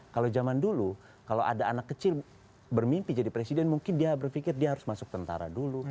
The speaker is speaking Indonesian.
kalau zaman dulu kalau ada anak kecil bermimpi jadi presiden mungkin dia berpikir dia harus masuk tentara dulu